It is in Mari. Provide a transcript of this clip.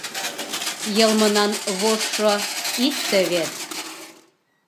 Йылмынан вожшо икте вет.